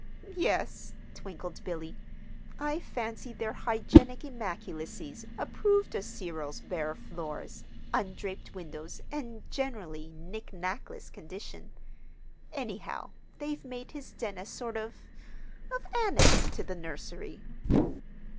"Yes," twinkled Billy. "I fancy their Hygienic Immaculacies approved of Cyril's bare floors, undraped windows, and generally knick knackless condition. Anyhow, they've made his den a sort of of annex to the nursery."